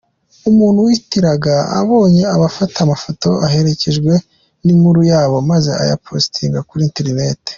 Umuntu wihitiraga ababonye abafata amafoto aherekejwe n’inkuru yabo maze aya postinga kuri internet.